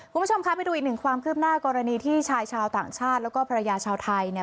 คุณผู้ชมคะไปดูอีกหนึ่งความคืบหน้ากรณีที่ชายชาวต่างชาติแล้วก็ภรรยาชาวไทยเนี่ย